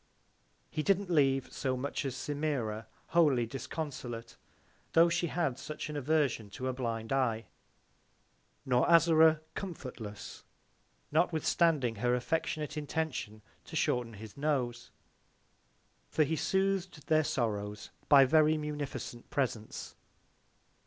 He didn't leave so much as Semira wholly disconsolate, tho' she had such an Aversion to a blind Eye; nor Azora comfortless, notwithstanding her affectionate Intention to shorten his Nose; for he sooth'd their Sorrows by very munificent Presents.